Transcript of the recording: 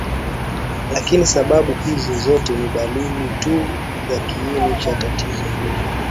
Lakini sababu hizo zote ni dalili tu za kiini cha tatizo hilo